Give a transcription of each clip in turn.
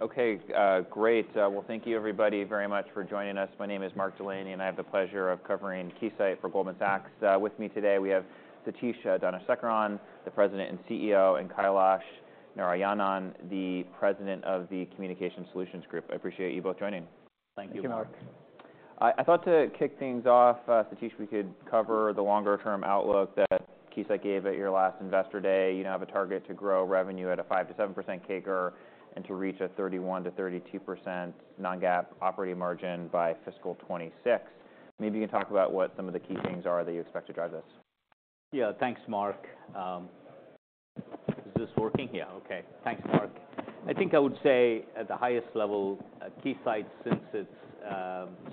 Okay, great. Well, thank you everybody very much for joining us. My name is Mark Delaney, and I have the pleasure of covering Keysight for Goldman Sachs. With me today, we have Satish Dhanasekaran, the President and CEO, and Kailash Narayanan, the President of the Communications Solutions Group. I appreciate you both joining. Thank you, Mark. Thank you, Mark. I thought to kick things off, Satish, we could cover the longer-term outlook that Keysight gave at your last Investor Day. You have a target to grow revenue at a 5%-7% CAGR, and to reach a 31%-32% non-GAAP operating margin by fiscal 2026. Maybe you can talk about what some of the key things are that you expect to drive this. Yeah. Thanks, Mark. Is this working? Yeah. Okay. Thanks, Mark. I think I would say, at the highest level, at Keysight, since its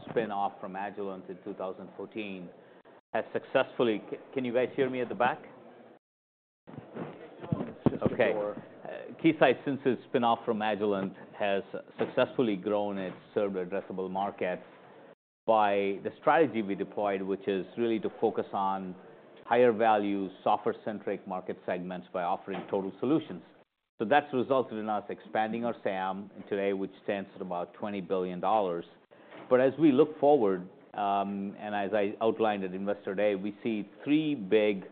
spin-off from Agilent in 2014, has successfully... Can you guys hear me at the back? No, just poor. Okay. Keysight, since its spin-off from Agilent, has successfully grown its serviceable addressable market by the strategy we deployed, which is really to focus on higher-value, software-centric market segments by offering total solutions. So that's resulted in us expanding our SAM, and today, which stands at about $20 billion. But as we look forward, and as I outlined at Investor Day, we see three big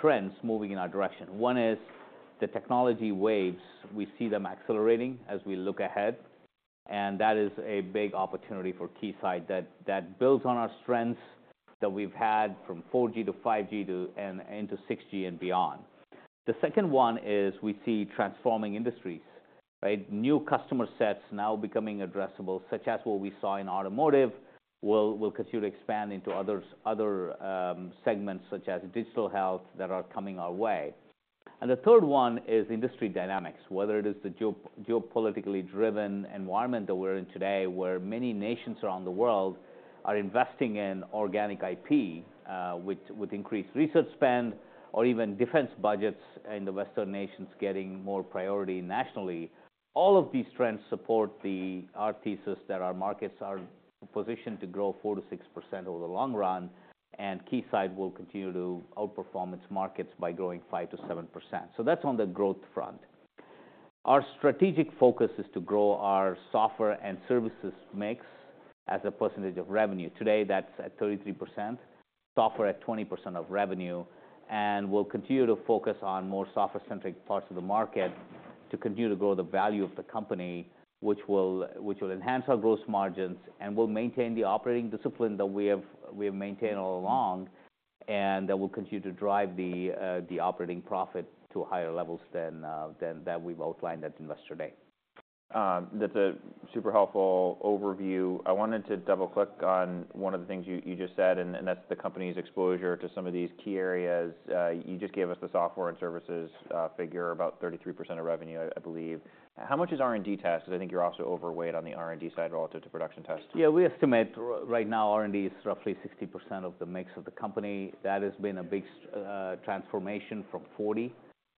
trends moving in our direction. One is the technology waves. We see them accelerating as we look ahead, and that is a big opportunity for Keysight, that builds on our strengths that we've had from 4G to 5G, and to 6G and beyond. The second one is we see transforming industries, right? New customer sets now becoming addressable, such as what we saw in automotive, will continue to expand into other segments, such as digital health, that are coming our way. And the third one is industry dynamics, whether it is the geopolitically-driven environment that we're in today, where many nations around the world are investing in organic IP with increased research spend or even defense budgets in the Western nations getting more priority nationally. All of these trends support our thesis that our markets are positioned to grow 4%-6% over the long run, and Keysight will continue to outperform its markets by growing 5%-7%. So that's on the growth front. Our strategic focus is to grow our software and services mix as a percentage of revenue. Today, that's at 33%, software at 20% of revenue, and we'll continue to focus on more software-centric parts of the market to continue to grow the value of the company, which will enhance our gross margins and will maintain the operating discipline that we have maintained all along, and that will continue to drive the operating profit to higher levels than that we've outlined at Investor Day. That's a super helpful overview. I wanted to double-click on one of the things you just said, and that's the company's exposure to some of these key areas. You just gave us the software and services figure, about 33% of revenue, I believe. How much is R&D test? Because I think you're also overweight on the R&D side relative to production test. Yeah, we estimate right now, R&D is roughly 60% of the mix of the company. That has been a big transformation from 40,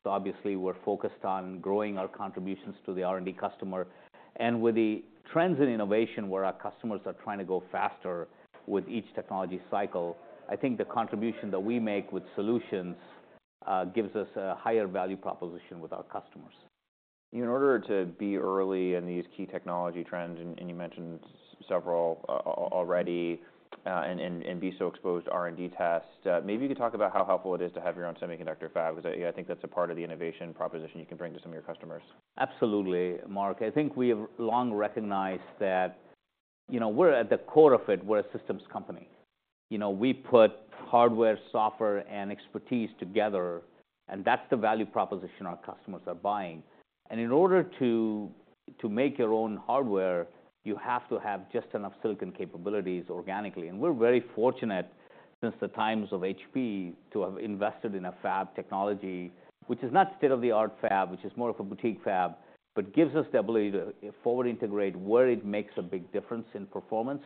so obviously, we're focused on growing our contributions to the R&D customer. And with the trends in innovation, where our customers are trying to go faster with each technology cycle, I think the contribution that we make with solutions gives us a higher value proposition with our customers. In order to be early in these key technology trends, and you mentioned several already, and be so exposed to R&D test, maybe you could talk about how helpful it is to have your own semiconductor fab. Because I think that's a part of the innovation proposition you can bring to some of your customers. Absolutely, Mark. I think we have long recognized that, you know, we're at the core of it, we're a systems company. You know, we put hardware, software, and expertise together, and that's the value proposition our customers are buying. In order to make your own hardware, you have to have just enough silicon capabilities organically, and we're very fortunate, since the times of HP, to have invested in a fab technology, which is not state-of-the-art fab, which is more of a boutique fab, but gives us the ability to forward integrate where it makes a big difference in performance,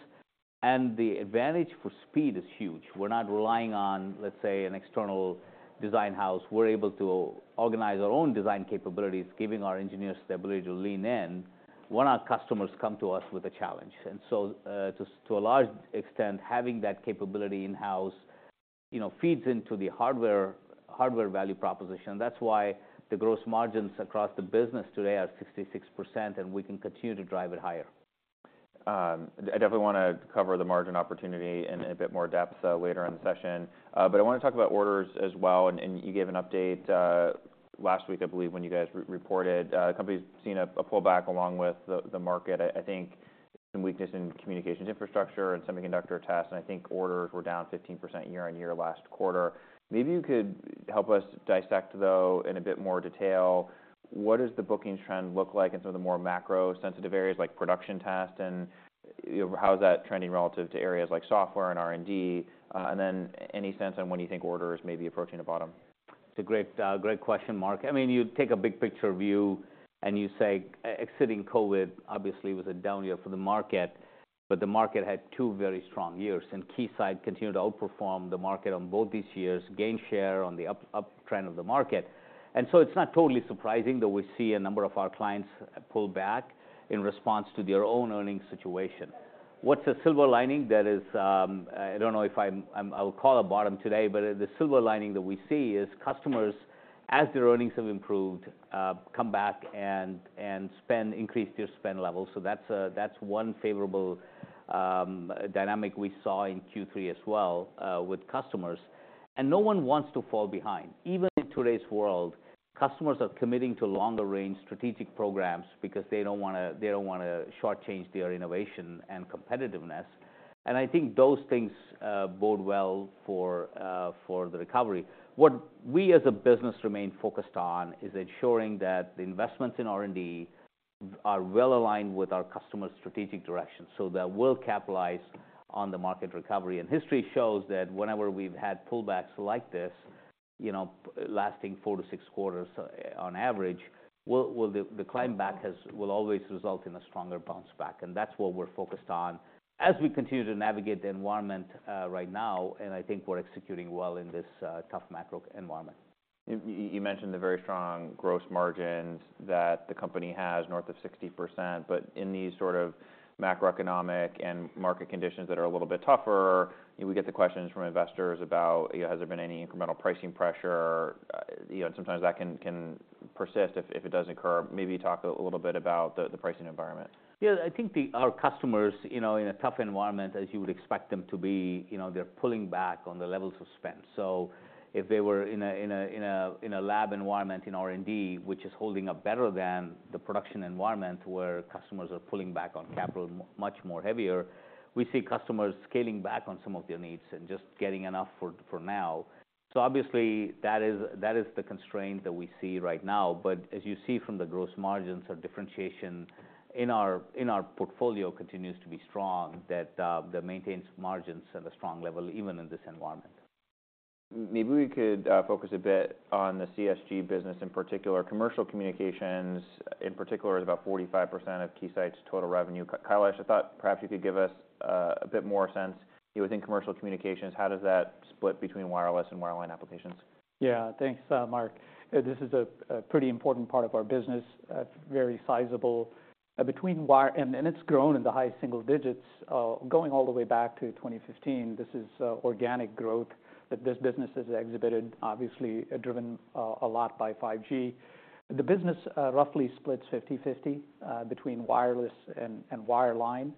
and the advantage for speed is huge. We're not relying on, let's say, an external design house. We're able to organize our own design capabilities, giving our engineers the ability to lean in when our customers come to us with a challenge. So, to a large extent, having that capability in-house, you know, feeds into the hardware value proposition. That's why the gross margins across the business today are 66%, and we can continue to drive it higher. I definitely wanna cover the margin opportunity in a bit more depth later in the session, but I wanna talk about orders as well, and you gave an update last week, I believe, when you guys re-reported. Company's seen a pullback along with the market. I think some weakness in communications infrastructure and semiconductor tests, and I think orders were down 15% year-on-year last quarter. Maybe you could help us dissect, though, in a bit more detail what the bookings trend looks like in some of the more macro-sensitive areas, like production test, and you know, how is that trending relative to areas like software and R&D? And then any sense on when you think orders may be approaching the bottom? It's a great, great question, Mark. I mean, you take a big picture view, and you say, exiting COVID, obviously, was a down year for the market, but the market had two very strong years, and Keysight continued to outperform the market on both these years, gain share on the uptrend of the market. And so it's not totally surprising that we see a number of our clients pull back in response to their own earnings situation. What's a silver lining? That is, I don't know if I'm—I'll call a bottom today, but the silver lining that we see is customers, as their earnings have improved, come back and spend, increase their spend levels. So that's one favorable dynamic we saw in Q3 as well with customers. And no one wants to fall behind. Even in today's world, customers are committing to longer-range strategic programs because they don't wanna, they don't wanna shortchange their innovation and competitiveness. I think those things bode well for the recovery. What we, as a business, remain focused on is ensuring that the investments in R&D are well aligned with our customers' strategic direction, so that we'll capitalize on the market recovery. And history shows that whenever we've had pullbacks like this, you know, lasting 4-6 quarters on average, the climb back will always result in a stronger bounce back, and that's what we're focused on as we continue to navigate the environment right now, and I think we're executing well in this tough macro environment. You mentioned the very strong gross margins that the company has, north of 60%, but in these sort of macroeconomic and market conditions that are a little bit tougher, we get the questions from investors about, you know, has there been any incremental pricing pressure? You know, and sometimes that can persist if it does occur. Maybe talk a little bit about the pricing environment. Yeah, I think our customers, you know, in a tough environment, as you would expect them to be, you know, they're pulling back on the levels of spend. So if they were in a lab environment in R&D, which is holding up better than the production environment, where customers are pulling back on capital much more heavier, we see customers scaling back on some of their needs and just getting enough for now. So obviously, that is the constraint that we see right now, but as you see from the gross margins or differentiation in our portfolio continues to be strong, that maintains margins at a strong level, even in this environment. Maybe we could focus a bit on the CSG business in particular. Commercial communications, in particular, is about 45% of Keysight's total revenue. Kailash, I thought perhaps you could give us a bit more sense. Within commercial communications, how does that split between wireless and wireline applications? Yeah. Thanks, Mark. This is a pretty important part of our business, very sizable. Between wireline and, and it's grown in the high single digits, going all the way back to 2015. This is organic growth that this business has exhibited, obviously driven a lot by 5G. The business roughly splits 50/50 between wireless and wireline.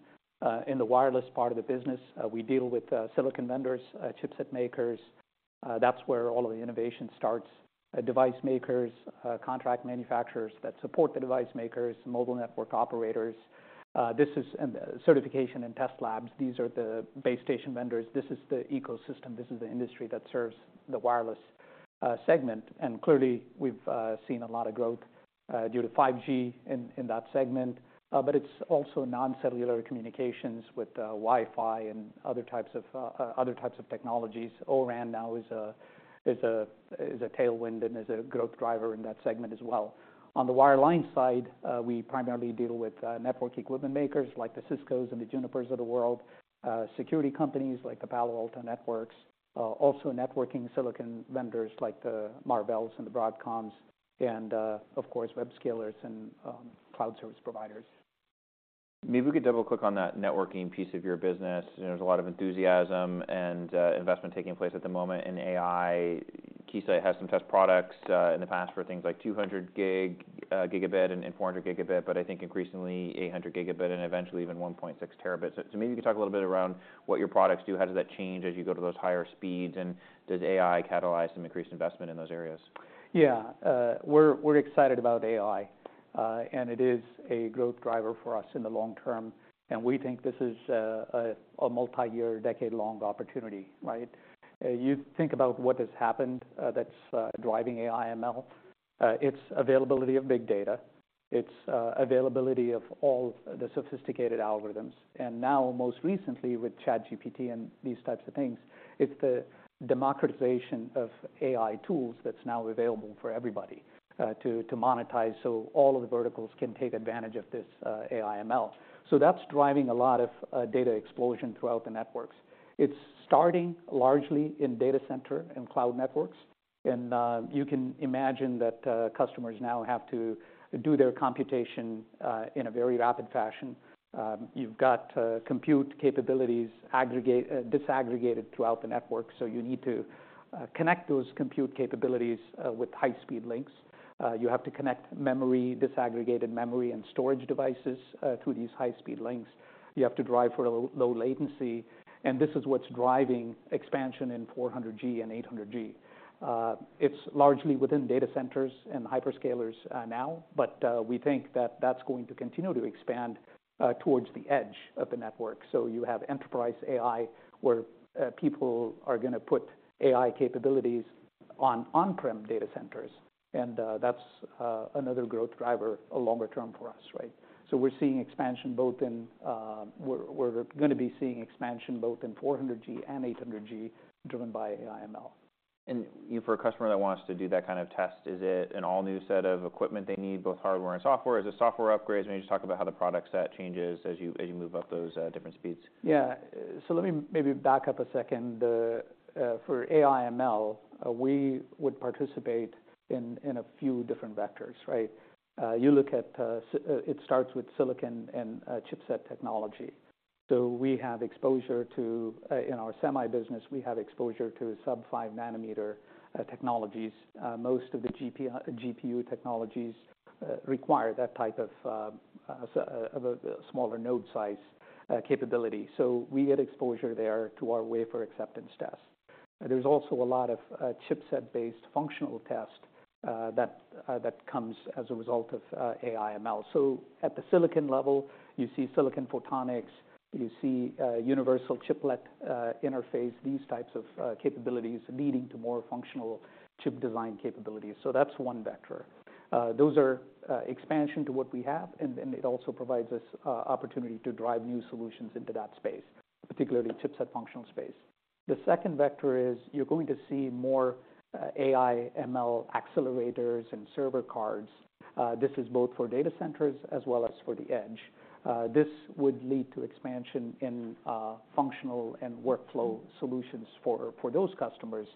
In the wireless part of the business, we deal with silicon vendors, chipset makers. That's where all of the innovation starts. Device makers, contract manufacturers that support the device makers, mobile network operators. This is certification and test labs. These are the base station vendors. This is the ecosystem. This is the industry that serves the wireless segment. Clearly, we've seen a lot of growth due to 5G in that segment, but it's also non-cellular communications with Wi-Fi and other types of technologies. O-RAN now is a tailwind and is a growth driver in that segment as well. On the wireline side, we primarily deal with network equipment makers like the Ciscos and the Junipers of the world, security companies like the Palo Alto Networks, also networking silicon vendors like the Marvells and the Broadcoms, and, of course, web scalers and cloud service providers. Maybe we could double-click on that networking piece of your business. There's a lot of enthusiasm and investment taking place at the moment in AI. Keysight has some test products in the past for things like 200 gigabit and 400 gigabit, but I think increasingly, 800 gigabit and eventually even 1.6 terabits. So maybe you could talk a little bit around what your products do. How does that change as you go to those higher speeds? And does AI catalyze some increased investment in those areas? Yeah, we're excited about AI, and it is a growth driver for us in the long term, and we think this is a multi-year, decade-long opportunity, right? You think about what has happened, that's driving AI/ML. It's availability of big data, it's availability of all the sophisticated algorithms, and now, most recently with ChatGPT and these types of things, it's the democratization of AI tools that's now available for everybody to monetize, so all of the verticals can take advantage of this AI/ML. So that's driving a lot of data explosion throughout the networks. It's starting largely in data center and cloud networks, and you can imagine that customers now have to do their computation in a very rapid fashion. You've got compute capabilities, aggregate, disaggregated throughout the network, so you need to connect those compute capabilities with high-speed links. You have to connect memory, disaggregated memory and storage devices through these high-speed links. You have to drive for low latency, and this is what's driving expansion in 400G and 800G. It's largely within data centers and hyperscalers now, but we think that that's going to continue to expand towards the edge of the network. So you have enterprise AI, where people are gonna put AI capabilities on on-prem data centers, and that's another growth driver longer term for us, right? So we're seeing expansion both in, we're gonna be seeing expansion both in 400G and 800G, driven by AI/ML. You, for a customer that wants to do that kind of test, is it an all-new set of equipment they need, both hardware and software? Is it software upgrades? Maybe just talk about how the product set changes as you move up those different speeds. Yeah. So let me maybe back up a second. For AI/ML, we would participate in a few different vectors, right? You look at it starts with silicon and chipset technology. So we have exposure to, in our semi business, we have exposure to sub-5 nanometer technologies. Most of the GPU technologies require that type of a smaller node size capability. So we get exposure there to our wafer acceptance test. There's also a lot of chipset-based functional test that comes as a result of AI/ML. So at the silicon level, you see silicon photonics, you see Universal Chiplet interface, these types of capabilities leading to more functional chip design capabilities. So that's one vector. Those are expansion to what we have, and it also provides us opportunity to drive new solutions into that space, particularly chipset functional space. The second vector is you're going to see more AI/ML accelerators and server cards. This is both for data centers as well as for the edge. This would lead to expansion in functional and workflow solutions for those customers,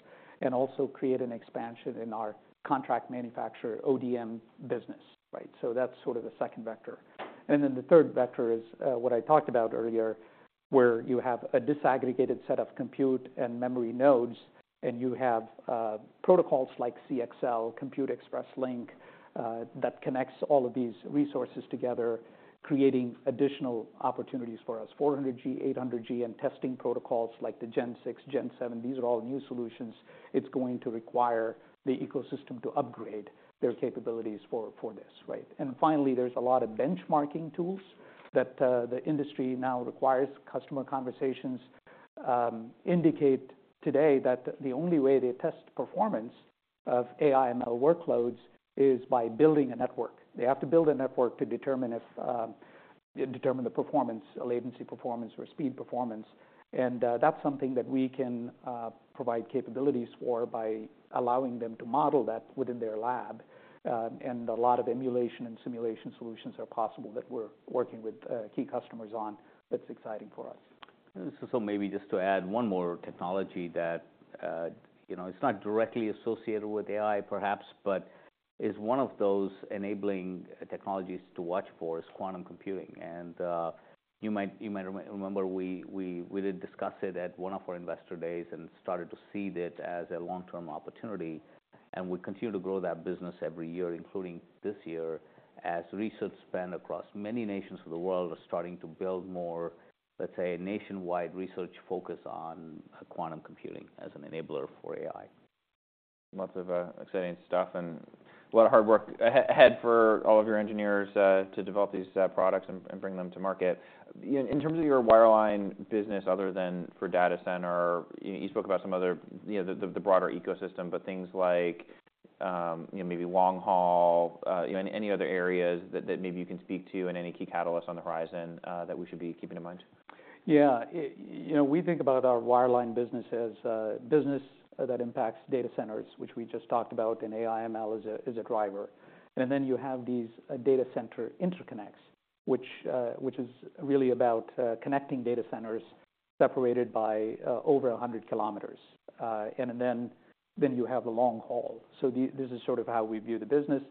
and also create an expansion in our contract manufacturer ODM business, right? So that's sort of the second vector. And then the third vector is what I talked about earlier, where you have a disaggregated set of compute and memory nodes, and you have protocols like CXL, Compute Express Link that connects all of these resources together, creating additional opportunities for us. 400G, 800G, and testing protocols like the Gen 6, Gen 7, these are all new solutions. It's going to require the ecosystem to upgrade their capabilities for this, right? And finally, there's a lot of benchmarking tools that the industry now requires. Customer conversations indicate today that the only way they test performance of AI/ML workloads is by building a network. They have to build a network to determine the performance, latency performance or speed performance. And that's something that we can provide capabilities for by allowing them to model that within their lab. And a lot of emulation and simulation solutions are possible that we're working with key customers on. That's exciting for us. So maybe just to add one more technology that, you know, it's not directly associated with AI, perhaps, but is one of those enabling technologies to watch for, is quantum computing. And, you might, you might remember, we did discuss it at one of our investor days and started to seed it as a long-term opportunity, and we continue to grow that business every year, including this year, as research spend across many nations of the world are starting to build more, let's say, a nationwide research focus on quantum computing as an enabler for AI. Lots of exciting stuff and a lot of hard work ahead for all of your engineers to develop these products and bring them to market. In terms of your wireline business, other than for data center, you spoke about some other, you know, the broader ecosystem, but things like, you know, maybe long haul, you know, any other areas that maybe you can speak to and any key catalysts on the horizon that we should be keeping in mind? Yeah. You know, we think about our wireline business as a business that impacts data centers, which we just talked about, and AI/ML is a driver. And then you have these Data Center Interconnects, which is really about connecting data centers separated by over 100 kilometers. And then you have the long haul. So this is sort of how we view the business.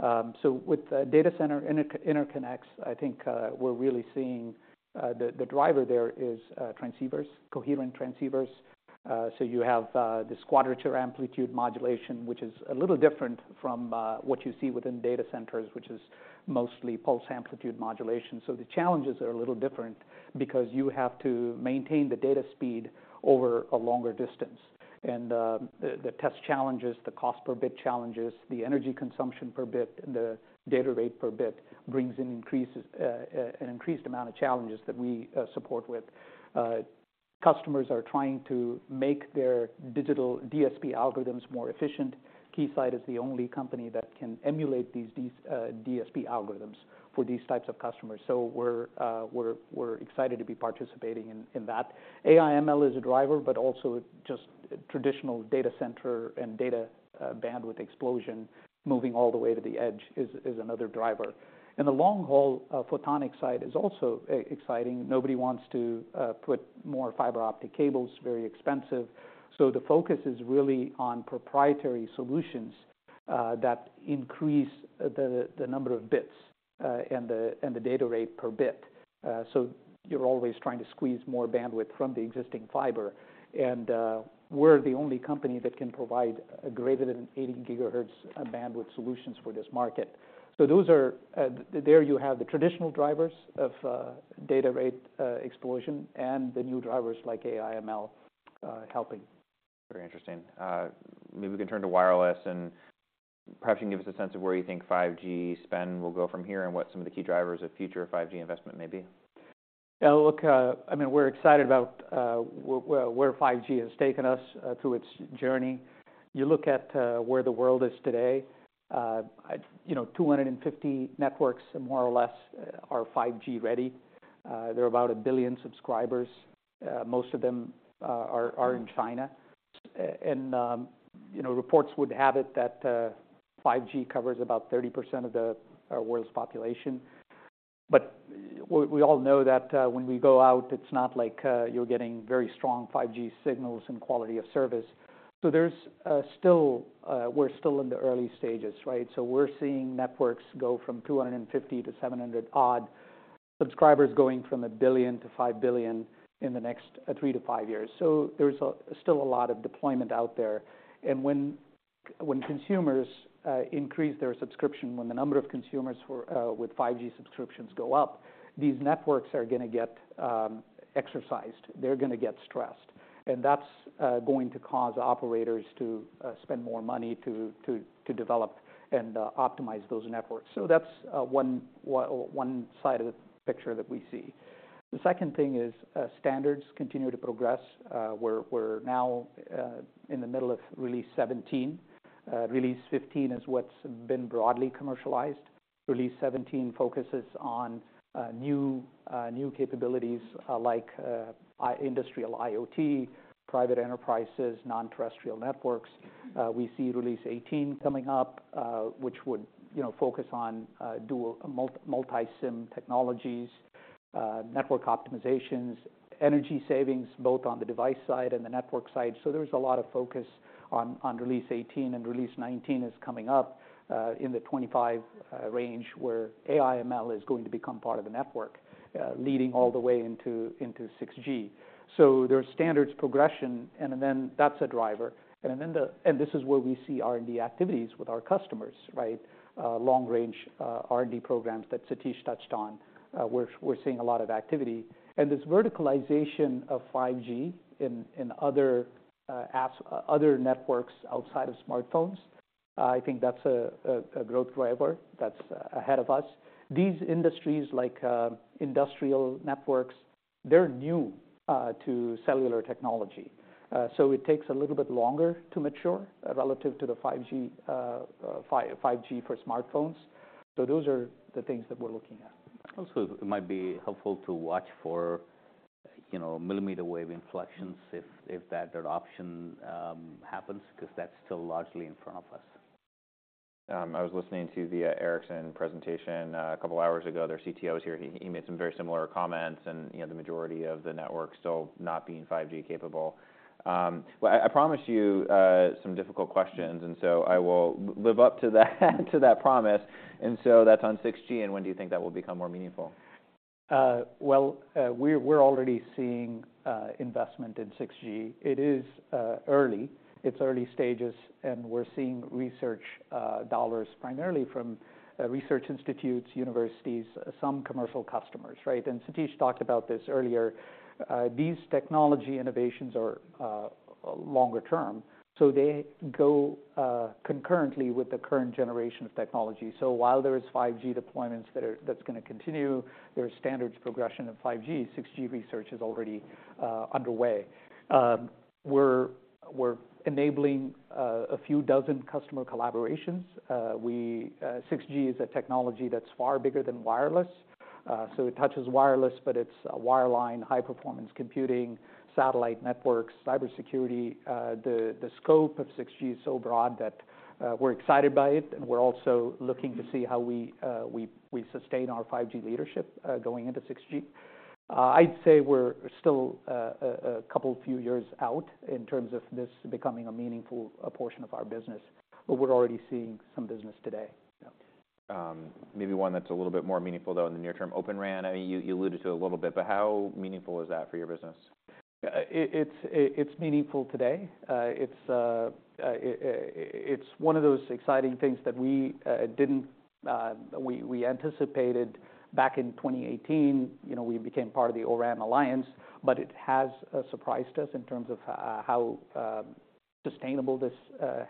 So with Data Center Interconnects, I think we're really seeing the driver there is transceivers, coherent transceivers. So you have this quadrature amplitude modulation, which is a little different from what you see within data centers, which is mostly pulse amplitude modulation. So the challenges are a little different because you have to maintain the data speed over a longer distance. And, the test challenges, the cost per bit challenges, the energy consumption per bit, and the data rate per bit brings in increases, an increased amount of challenges that we support with. Customers are trying to make their digital DSP algorithms more efficient. Keysight is the only company that can emulate these DSP algorithms for these types of customers. So we're excited to be participating in that. AI/ML is a driver, but also just traditional data center and data bandwidth explosion, moving all the way to the edge is another driver. And the long haul photonic side is also exciting. Nobody wants to put more fiber optic cables, very expensive. So the focus is really on proprietary solutions that increase the number of bits and the data rate per bit. So you're always trying to squeeze more bandwidth from the existing fiber. And we're the only company that can provide greater than 80 GHz bandwidth solutions for this market. So those are the traditional drivers of data rate explosion and the new drivers like AI/ML helping. Very interesting. Maybe we can turn to wireless, and perhaps you can give us a sense of where you think 5G spend will go from here and what some of the key drivers of future 5G investment may be? Yeah, look, I mean, we're excited about where 5G has taken us through its journey. You look at where the world is today. You know, 250 networks, more or less, are 5G ready. There are about 1 billion subscribers. Most of them are in China. And you know, reports would have it that 5G covers about 30% of the world's population. But we all know that when we go out, it's not like you're getting very strong 5G signals and quality of service. So there's still, we're still in the early stages, right? So we're seeing networks go from 250 to 700-odd subscribers, going from 1 billion to 5 billion in the next three to five years. So there's still a lot of deployment out there. And when consumers increase their subscription, when the number of consumers with 5G subscriptions go up, these networks are gonna get exercised. They're gonna get stressed, and that's going to cause operators to spend more money to develop and optimize those networks. So that's one side of the picture that we see. The second thing is, standards continue to progress. We're now in the middle of Release 17. Release 15 is what's been broadly commercialized. Release 17 focuses on new capabilities like industrial IoT, private enterprises, non-terrestrial networks. We see Release 18 coming up, which would, you know, focus on multi-SIM technologies, network optimizations, energy savings, both on the device side and the network side. So there is a lot of focus on Release 18, and Release 19 is coming up in the 25 range, where AI/ML is going to become part of the network, leading all the way into 6G. So there's standards progression, and then that's a driver. And then this is where we see R&D activities with our customers, right? Long range R&D programs that Satish touched on, we're seeing a lot of activity. And this verticalization of 5G in other apps, other networks outside of smartphones, I think that's a growth driver that's ahead of us. These industries, like, industrial networks, they're new to cellular technology, so it takes a little bit longer to mature relative to the 5G, 5G for smartphones. So those are the things that we're looking at. Also, it might be helpful to watch for, you know, millimeter wave inflections if that adoption happens, because that's still largely in front of us. I was listening to the Ericsson presentation a couple of hours ago. Their CTO was here, he made some very similar comments, and, you know, the majority of the network still not being 5G capable. Well, I promised you some difficult questions, and so I will live up to that promise. And so that's on 6G, and when do you think that will become more meaningful? Well, we're already seeing investment in 6G. It is early. It's early stages, and we're seeing research dollars primarily from research institutes, universities, some commercial customers, right? And Satish talked about this earlier. These technology innovations are longer term, so they go concurrently with the current generation of technology. So while there is 5G deployments that's gonna continue, there is standards progression of 5G. 6G research is already underway. We're enabling a few dozen customer collaborations. 6G is a technology that's far bigger than wireless. So it touches wireless, but it's wireline, high-performance computing, satellite networks, cybersecurity. The scope of 6G is so broad that we're excited by it, and we're also looking to see how we sustain our 5G leadership going into 6G. I'd say we're still a couple few years out in terms of this becoming a meaningful portion of our business, but we're already seeing some business today, yeah. Maybe one that's a little bit more meaningful, though, in the near term, Open RAN. I mean, you alluded to it a little bit, but how meaningful is that for your business? It's meaningful today. It's one of those exciting things that we didn't anticipate back in 2018, you know, we became part of the O-RAN Alliance, but it has surprised us in terms of how sustainable this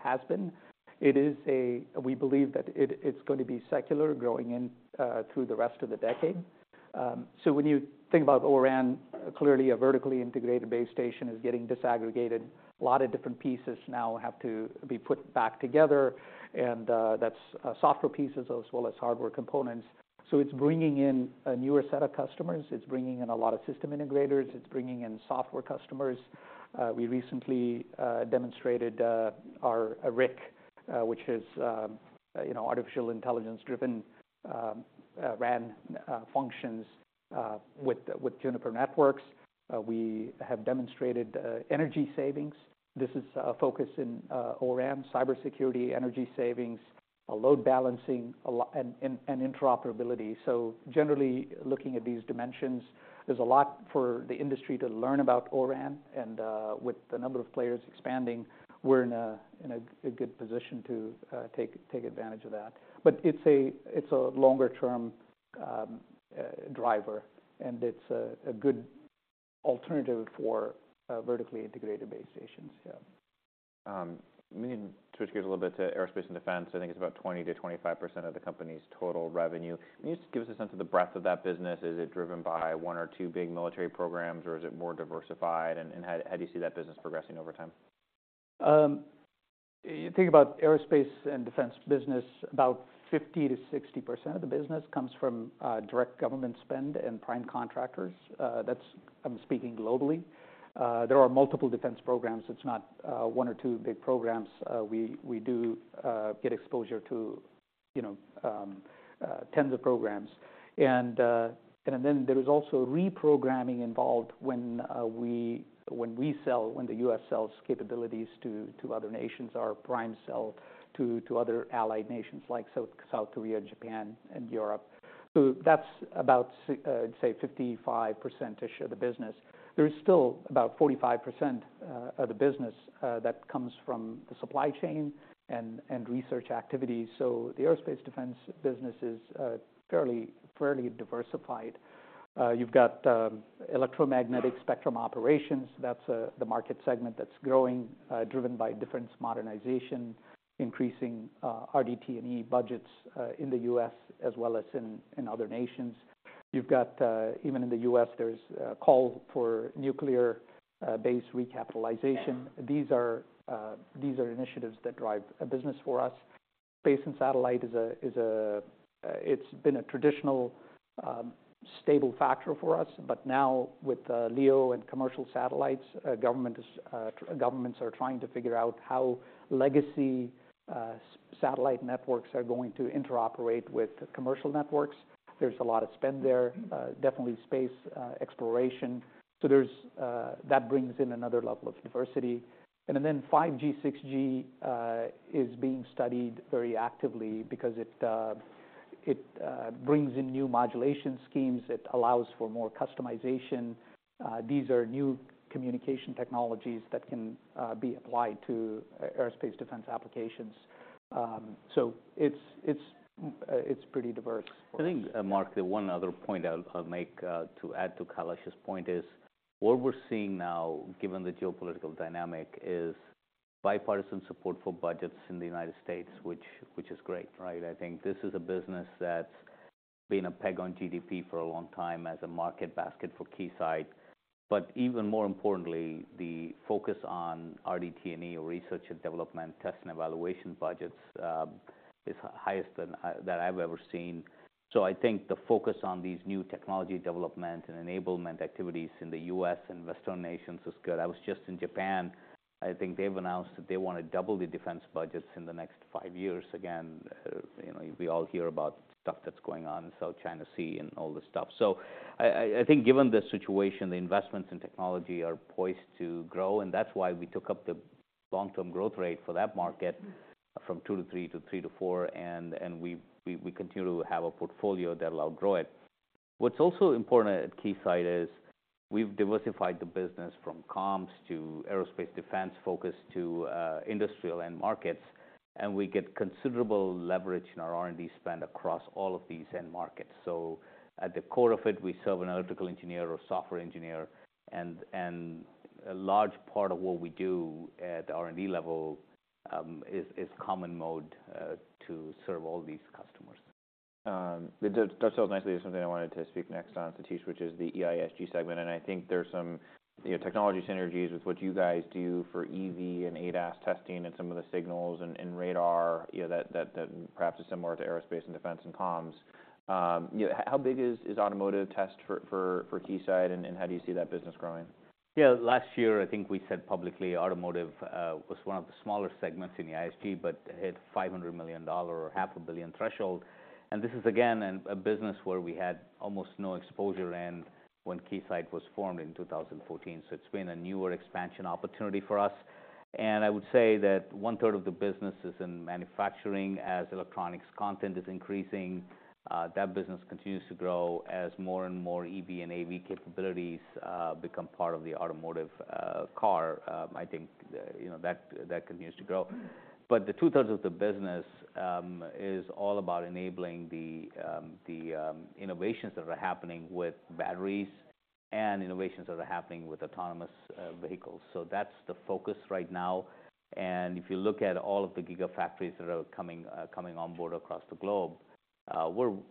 has been. We believe that it's going to be secular, growing through the rest of the decade. So when you think about O-RAN, clearly, a vertically integrated base station is getting disaggregated. A lot of different pieces now have to be put back together, and that's software pieces as well as hardware components. So it's bringing in a newer set of customers. It's bringing in a lot of system integrators. It's bringing in software customers. We recently demonstrated our RIC, which is, you know, artificial intelligence-driven RAN functions with Juniper Networks. We have demonstrated energy savings. This is a focus in O-RAN, cybersecurity, energy savings, load balancing, and interoperability. So generally, looking at these dimensions, there's a lot for the industry to learn about O-RAN, and with the number of players expanding, we're in a good position to take advantage of that. But it's a longer-term driver, and it's a good alternative for vertically integrated base stations, yeah. Let me switch gears a little bit to Aerospace and Defense. I think it's about 20%-25% of the company's total revenue. Can you just give us a sense of the breadth of that business? Is it driven by one or two big military programs, or is it more diversified? And how do you see that business progressing over time? You think about Aerospace and Defense business, about 50%-60% of the business comes from direct government spend and prime contractors. That's... I'm speaking globally. There are multiple defense programs. It's not one or two big programs. We do get exposure to you know tens of programs. And then there is also reprogramming involved when we sell, when the U.S. sells capabilities to other nations, or prime sell to other allied nations like South Korea, Japan, and Europe. So that's about say 55%ish of the business. There is still about 45% of the business that comes from the supply chain and research activities. So the Aerospace Defense business is fairly diversified. You've got electromagnetic spectrum operations. That's the market segment that's growing, driven by defense modernization, increasing RDT&E budgets in the U.S. as well as in other nations. You've got even in the U.S., there's a call for nuclear base recapitalization. These are initiatives that drive a business for us. Space and satellite is a it's been a traditional stable factor for us, but now with LEO and commercial satellites, governments are trying to figure out how legacy satellite networks are going to interoperate with commercial networks. There's a lot of spend there, definitely space exploration. So that brings in another level of diversity. And then 5G, 6G is being studied very actively because it brings in new modulation schemes, it allows for more customization. These are new communication technologies that can be applied to Aerospace Defense applications. So it's, it's, it's pretty diverse for us. I think, Mark, the one other point I'll make to add to Kailash's point is, what we're seeing now, given the geopolitical dynamic, is bipartisan support for budgets in the United States, which is great, right? I think this is a business that's been a peg on GDP for a long time as a market basket for Keysight. But even more importantly, the focus on RDT&E, or research and development, test and evaluation budgets, is highest than that I've ever seen. So I think the focus on these new technology development and enablement activities in the U.S. and Western nations is good. I was just in Japan. I think they've announced that they want to double the defense budgets in the next five years. Again, you know, we all hear about stuff that's going on in South China Sea and all this stuff. I think given the situation, the investments in technology are poised to grow, and that's why we took up the long-term growth rate for that market from 2-3 to 3-4, and we continue to have a portfolio that will outgrow it. What's also important at Keysight is, we've diversified the business from comms to Aerospace Defense focus to industrial end markets, and we get considerable leverage in our R&D spend across all of these end markets. So at the core of it, we serve an electrical engineer or software engineer, and a large part of what we do at the R&D level is common mode to serve all these customers. That does so nicely to something I wanted to speak next on, Satish, which is the EISG segment, and I think there's some, you know, technology synergies with what you guys do for EV and ADAS testing and some of the signals and radar, you know, that perhaps is similar to Aerospace and Defense and comms. You know, how big is automotive test for Keysight, and how do you see that business growing? Yeah. Last year, I think we said publicly, automotive was one of the smaller segments in the EISG, but it hit $500 million or $500 million threshold. And this is, again, a business where we had almost no exposure when Keysight was formed in 2014. So it's been a newer expansion opportunity for us. And I would say that one third of the business is in manufacturing. As electronics content is increasing, that business continues to grow as more and more EV and AV capabilities become part of the automotive car. I think you know that continues to grow. But the two-thirds of the business is all about enabling the innovations that are happening with batteries and innovations that are happening with autonomous vehicles. So that's the focus right now. If you look at all of the gigafactories that are coming, coming on board across the globe,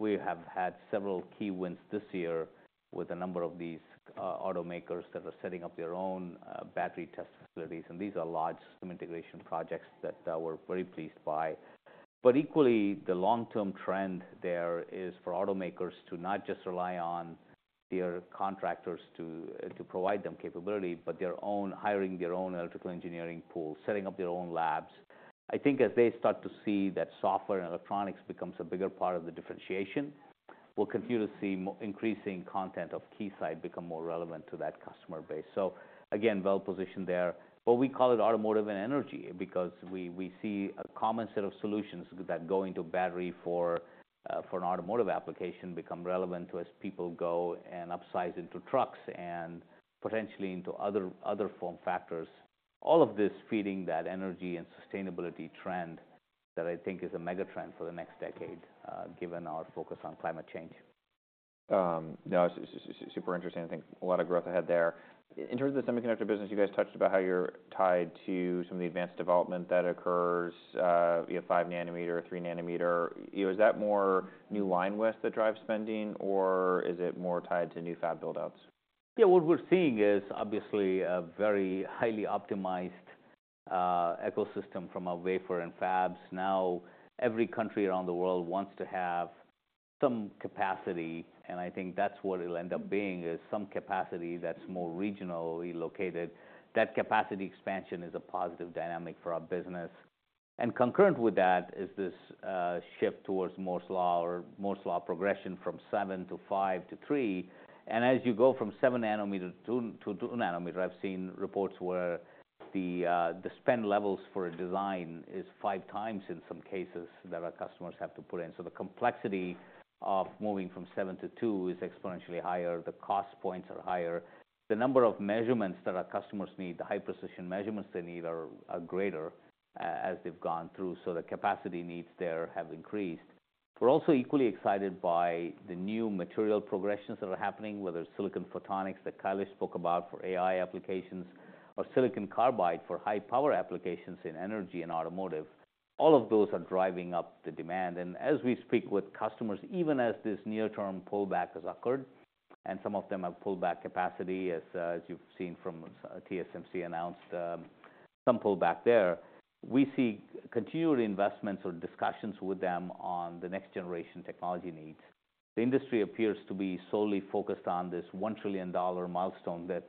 we have had several key wins this year with a number of these automakers that are setting up their own battery test facilities, and these are large system integration projects that we're very pleased by. But equally, the long-term trend there is for automakers to not just rely on their contractors to provide them capability, but hiring their own electrical engineering pool, setting up their own labs. I think as they start to see that software and electronics becomes a bigger part of the differentiation, we'll continue to see increasing content of Keysight become more relevant to that customer base. So again, well-positioned there. But we call it automotive and energy because we, we see a common set of solutions that go into battery for, for an automotive application, become relevant to as people go and upsize into trucks and potentially into other, other form factors. All of this feeding that energy and sustainability trend that I think is a mega trend for the next decade, given our focus on climate change. No, it's, it's super interesting. I think a lot of growth ahead there. In terms of the semiconductor business, you guys touched about how you're tied to some of the advanced development that occurs via 5 nanometer, 3 nanometer. Is that more new line width that drives spending, or is it more tied to new fab build-outs? Yeah, what we're seeing is obviously a very highly optimized ecosystem from a wafer and fabs. Now, every country around the world wants to have some capacity, and I think that's what it'll end up being, is some capacity that's more regionally located. That capacity expansion is a positive dynamic for our business. And concurrent with that is this shift towards Moore's Law or Moore's Law progression from 7 to 5 to 3. And as you go from 7 nanometer to 2 nanometer, I've seen reports where the spend levels for a design is 5 times, in some cases, that our customers have to put in. So the complexity of moving from 7 to 2 is exponentially higher, the cost points are higher. The number of measurements that our customers need, the high-precision measurements they need are greater as they've gone through, so the capacity needs there have increased. We're also equally excited by the new material progressions that are happening, whether it's silicon photonics that Kailash spoke about for AI applications, or silicon carbide for high-power applications in energy and automotive. All of those are driving up the demand. And as we speak with customers, even as this near-term pullback has occurred, and some of them have pulled back capacity, as you've seen from TSMC announced, some pullback there, we see continued investments or discussions with them on the next-generation technology needs. The industry appears to be solely focused on this $1 trillion milestone that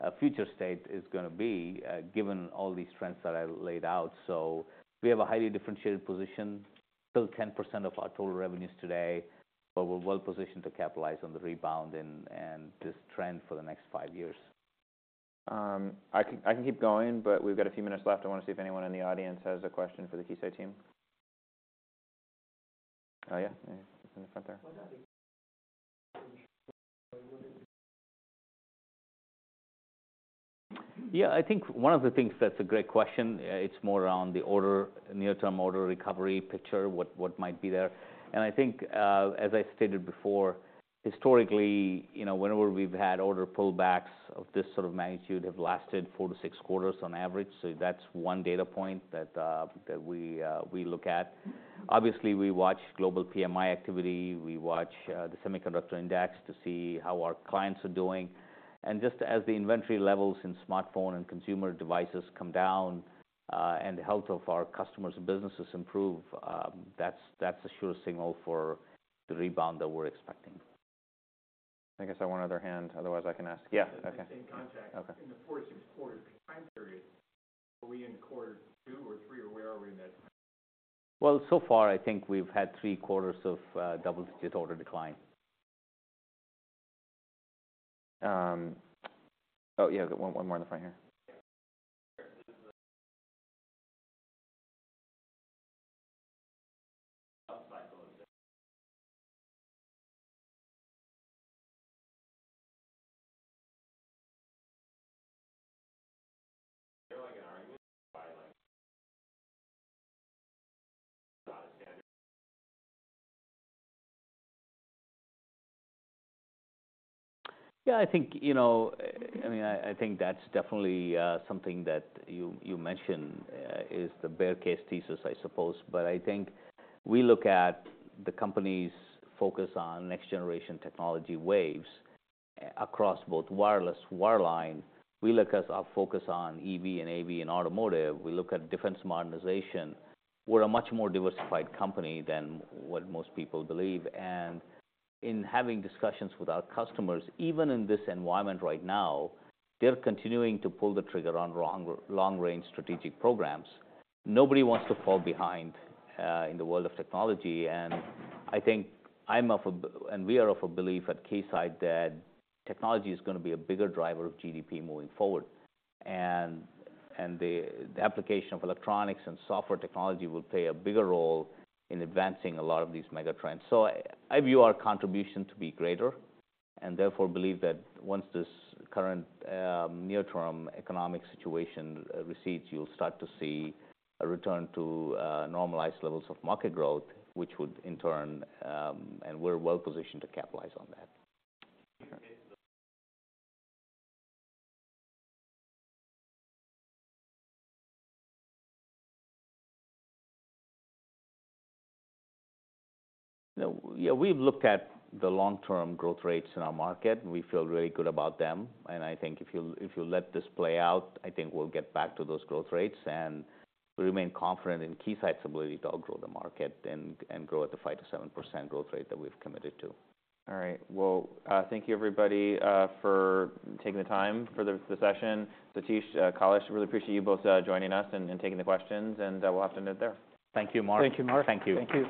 a future state is gonna be given all these trends that I laid out. So we have a highly differentiated position, still 10% of our total revenues today, but we're well positioned to capitalize on the rebound and this trend for the next five years. I can keep going, but we've got a few minutes left. I wanna see if anyone in the audience has a question for the Keysight team. Oh, yeah, in the front there. Yeah, I think one of the things that's a great question, it's more around the order near-term order recovery picture, what might be there. And I think, as I stated before, historically, you know, whenever we've had order pullbacks of this sort of magnitude, have lasted 4-6 quarters on average. So that's one data point that we look at. Obviously, we watch global PMI activity, we watch the semiconductor index to see how our clients are doing. And just as the inventory levels in smartphone and consumer devices come down, and the health of our customers and businesses improve, that's a sure signal for the rebound that we're expecting. I guess I have one other hand, otherwise I can ask. Yeah. Okay. In the 4-6 quarter time period, are we in quarter 2 or 3, or where are we in that? Well, so far, I think we've had three quarters of double-digit order decline. Oh, yeah, we've got one more in the front here. Yeah, I think, you know, I, I think that's definitely something that you, you mentioned is the bear case thesis, I suppose. But I think we look at the company's focus on next-generation technology waves across both wireless, wireline. We look as our focus on EV and AV and automotive. We look at defense modernization. We're a much more diversified company than what most people believe. And in having discussions with our customers, even in this environment right now, they're continuing to pull the trigger on long-range strategic programs. Nobody wants to fall behind in the world of technology, and I think and we are of a belief at Keysight, that technology is gonna be a bigger driver of GDP moving forward. The application of electronics and software technology will play a bigger role in advancing a lot of these mega trends. So I view our contribution to be greater, and therefore believe that once this current near-term economic situation recedes, you'll start to see a return to normalized levels of market growth, which would in turn... And we're well positioned to capitalize on that. You know, yeah, we've looked at the long-term growth rates in our market, and we feel really good about them. And I think if you let this play out, I think we'll get back to those growth rates, and we remain confident in Keysight's ability to outgrow the market and grow at the 5%-7% growth rate that we've committed to. All right. Well, thank you, everybody, for taking the time for the session. Satish, Kailash, I really appreciate you both joining us and taking the questions, and we'll have to end it there. Thank you, Mark. Thank you, Mark. Thank you. Thank you.